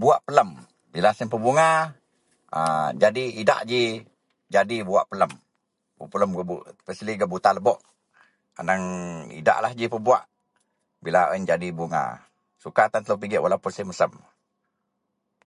Buwak pelem bila siyen pebunga [a] jadi idak ji jadi buwak pelem. Buwak pelem especially gak buta lebok aneng idaklah ji pebuwak bila en jadi bungaih. Suka tan telou pigek walaupuun siyen mesem